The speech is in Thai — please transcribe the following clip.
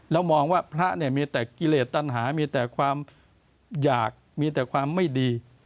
แล้วมองว่าพระเนี่ยมีแต่กิเลสตัญหามีแต่ความอยากมีแต่ความไม่ดี